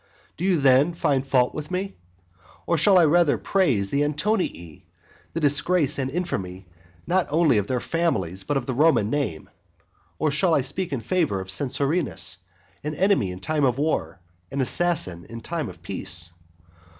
Do you then find fault with me? or should I rather praise the Antonii, the disgrace and infamy not only of their own families, but of the Roman name? or should I speak in favour of Censorenus, an enemy in time of war, an assassin in time of peace?